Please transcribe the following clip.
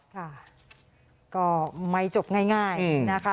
ค่ะก็ไม่จบง่ายนะคะ